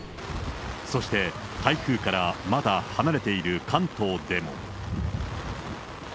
そして、台風からまだ離れている関東でも。